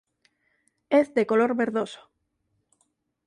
Es de color verdoso.